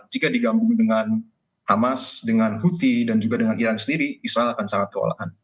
jika digambung dengan hamas dengan huthi dan juga dengan iran sendiri israel akan sangat kewalahan